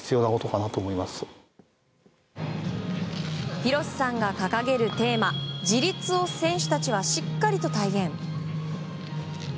洋さんが掲げるテーマ自立を選手たちはしっかりと体現。